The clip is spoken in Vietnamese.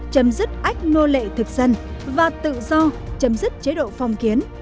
chấm dứt ách nô lệ thực dân và tự do chấm dứt chế độ phong kiến